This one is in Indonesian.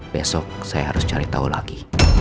besok saya harus cari tahu lagi